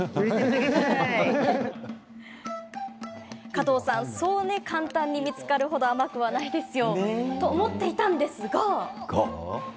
加藤さん、そう簡単に見つかる程甘くはないですよと思っていたら。